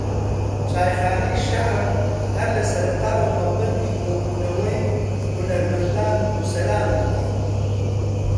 چایخانەی شەعب ھەر لە سەرەتاوە مەڵبەندی کۆبونەوەی ھونەرمەندان و نووسەران بووە